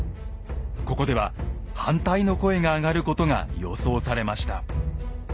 ここでは反対の声があがることが予想されました。